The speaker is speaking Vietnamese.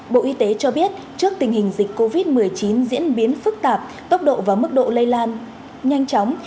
bộ y tế cho biết trước tình hình dịch covid một mươi chín diễn biến phức tạp tốc độ và mức độ lây lan nhanh chóng